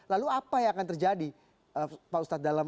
lalu apa yang akan terjadi pak ustadz dalam